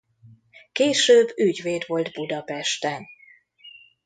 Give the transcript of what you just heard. Később ügyvéd volt Budapesten.